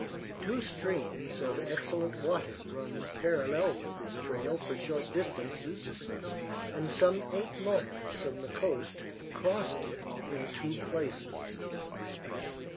Two streams of excellent water run parallel with this trail for short distances, and some eight miles from the coast crossed it in two places.